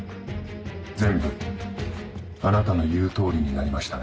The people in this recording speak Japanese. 全部あなたの言う通りになりましたね。